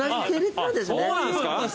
あっそうなんですか。